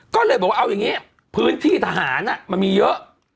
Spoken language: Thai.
ก็เลยบอกว่าเอาอย่างนี้พื้นที่ทหารมันมีเยอะ